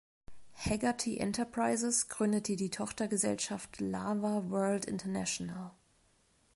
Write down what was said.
Haggerty Enterprises gründete die Tochtergesellschaft Lava World International.